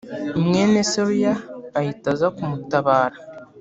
mwene seruya ahita aza kumutabara